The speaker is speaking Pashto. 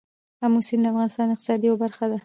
آمو سیند د افغانستان د اقتصاد یوه برخه ده.